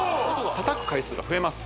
叩く回数が増えます